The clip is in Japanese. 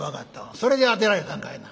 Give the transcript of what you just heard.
それで当てられたんかいな。